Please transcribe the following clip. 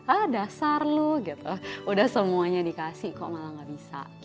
ah dasar lu gitu udah semuanya dikasih kok malah gak bisa